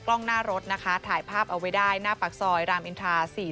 กล้องหน้ารถนะคะถ่ายภาพเอาไว้ได้หน้าปากซอยรามอินทรา๔๔